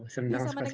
senang sekali disini